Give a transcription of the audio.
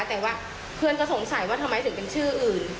แต่ว่าเพื่อนก็สงสัยว่าทำไมถึงเป็นชื่ออื่น